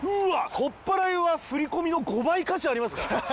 とっぱらいは振込の５倍価値ありますからね。